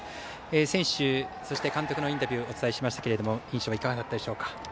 選手、監督のインタビューをお伝えしましたが印象はいかがでしたか？